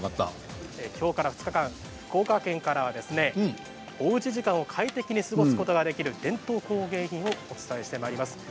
きょうから２日間、福岡県からはおうち時間を快適に過ごすことができる伝統工芸品をお伝えしてまいります。